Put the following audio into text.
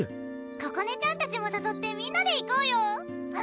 ここねちゃんたちもさそってみんなで行こうよ！